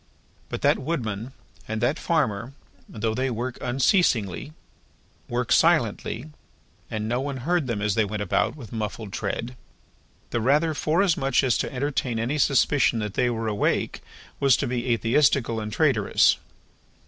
But that Woodman and that Farmer, though they work unceasingly, work silently, and no one heard them as they went about with muffled tread: the rather, forasmuch as to entertain any suspicion that they were awake, was to be atheistical and traitorous.